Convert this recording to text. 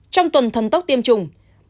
trong tuần thần tốc tiêm chủng